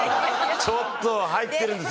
ちょっと入ってるんです